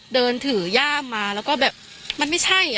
เดินถือย่ามมาแล้วก็แบบมันไม่ใช่